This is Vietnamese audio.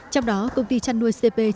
trong đó công ty chăn nuôi cp